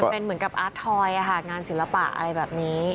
มันเป็นเหมือนกับอาร์ตทอยด์อ่ะฮะงานศิลปะอะไรแบบนี้